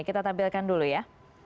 kita tampilkan dulu ya